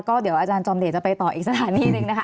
ก็เดี๋ยวอาจารย์จอมเดชจะไปต่ออีกสถานีหนึ่งนะคะ